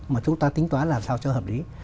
mà chúng ta tính toán làm sao cho hợp lý